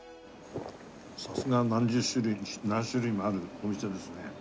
さすがは何十種類何種類もあるお店ですね。